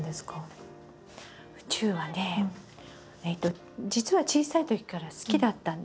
宇宙はね実は小さいときから好きだったんですけど。